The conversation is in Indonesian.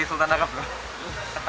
seperti sultan araf belum ya